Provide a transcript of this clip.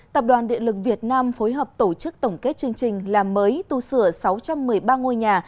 tập đoàn điện lực việt nam phối hợp tổ chức tổng kết chương trình làm mới tu sửa sáu trăm một mươi ba ngôi nhà